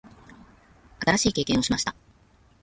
新しい経験をしました。